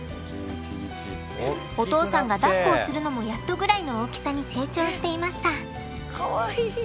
お父さんがだっこをするのもやっとぐらいの大きさに成長していました。